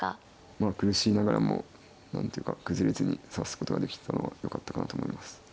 まあ苦しいながらも何ていうか崩れずに指すことができたのはよかったかなと思います。